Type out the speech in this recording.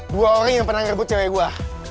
dua orang yang pernah ngerebut cewek gue